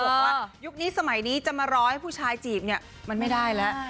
บอกว่ายุคนี้สมัยนี้จะมารอให้ผู้ชายจีบเนี่ยมันไม่ได้แล้ว